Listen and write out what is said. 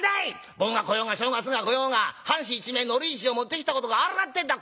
盆が来ようが正月が来ようが半紙一枚海苔一帖持ってきたことがあるかってんだ！